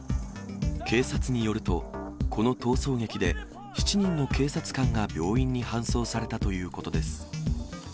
警察によると、この逃走劇で７人の警察官が病院に搬送されたということです。